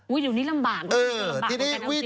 อุ๊ยอยู่นี้ลำบากตอนนี้ลำบากกันแล้วจริง